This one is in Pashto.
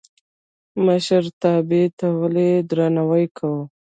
مشرتابه ته ولې درناوی کوو؟